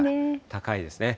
高いですね。